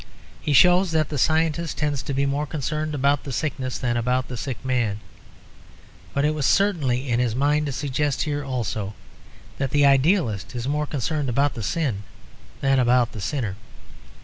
He shows that the scientist tends to be more concerned about the sickness than about the sick man; but it was certainly in his mind to suggest here also that the idealist is more concerned about the sin than about the sinner.